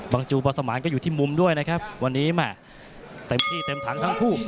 จูบอสมานก็อยู่ที่มุมด้วยนะครับวันนี้แม่เต็มที่เต็มถังทั้งคู่